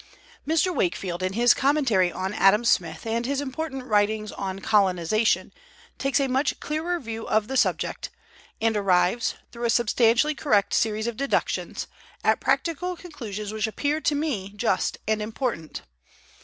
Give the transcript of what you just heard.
Mr. Wakefield, in his Commentary on Adam Smith, and his important writings on Colonization, takes a much clearer view of the subject, and arrives, through a substantially correct series of deductions, at practical conclusions which appear to me just and important.